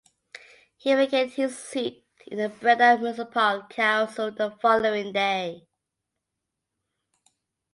He vacated his seat in the Breda municipal council the following day.